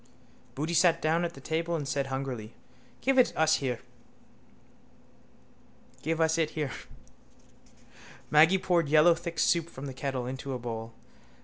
Boody sat down at the table and said hungrily: —Give us it here. Maggy poured yellow thick soup from the kettle into a bowl.